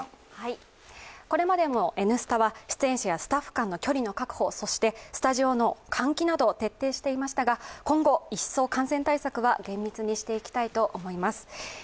これまでも「Ｎスタ」は出演者やスタッフ間の距離の確保、そしてスタジオの換気など徹底していましたが、今後、換気対策は一層厳密にしていきたいと思います。